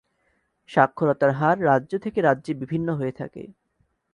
সাক্ষরতার হার রাজ্য থেকে রাজ্যে বিভিন্ন হয়ে থাকে।